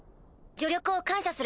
助力を感謝する。